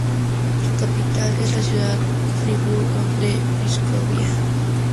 Su capital es la ciudad de Friburgo de Brisgovia.